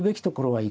はい。